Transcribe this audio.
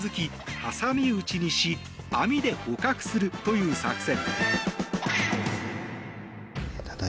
挟み撃ちにし網で捕獲するという作戦。